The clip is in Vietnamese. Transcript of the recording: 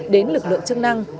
đến lực lượng chức năng